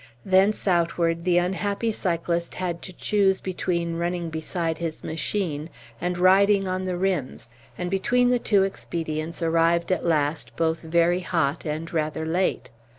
Thence onward the unhappy cyclist had to choose between running beside his machine and riding on the rims, and between the two expedients arrived at last both very hot and rather late.